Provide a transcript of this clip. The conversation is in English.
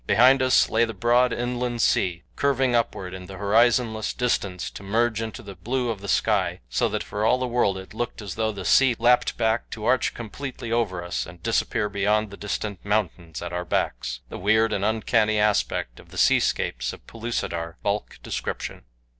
Behind us lay the broad inland sea, curving upward in the horizonless distance to merge into the blue of the sky, so that for all the world it looked as though the sea lapped back to arch completely over us and disappear beyond the distant mountains at our backs the weird and uncanny aspect of the seascapes of Pellucidar balk description.